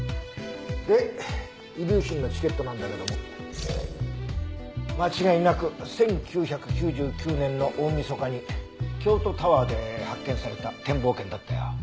で遺留品のチケットなんだけども間違いなく１９９９年の大みそかに京都タワーで発券された展望券だったよ。